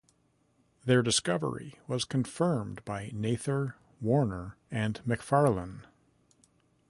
Their discovery was confirmed by Nather, Warner, and Macfarlane.